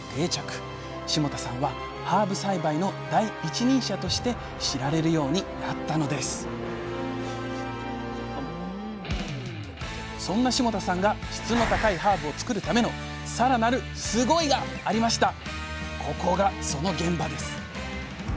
霜多さんはハーブ栽培の第一人者として知られるようになったのですそんな霜多さんが質の高いハーブを作るためのさらなるスゴイ！がありました。